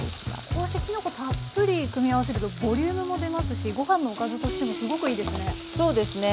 こうしてきのこたっぷり組み合わせるとボリュームも出ますしご飯のおかずとしてもすごくいいですね。